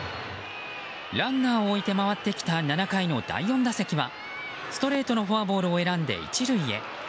ランナーを置いて回ってきた４回の第４打席はストレートのフォアボールを選んで１塁へ。